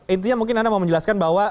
intinya mungkin anda mau menjelaskan bahwa